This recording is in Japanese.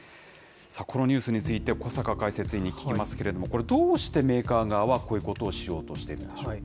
このニュースについて、小坂解説委員に聞きますけれども、これ、どうしてメーカー側はこういうことをしようとしているんでしょう